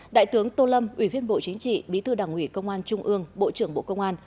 đại tướng tô lâm ủy viên bộ chính trị bí thư đảng ủy công an trung ương bộ trưởng bộ công an